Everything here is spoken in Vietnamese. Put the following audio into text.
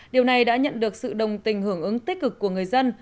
điều này đã nhận được sự đồng tình hưởng ứng tích cực của người dân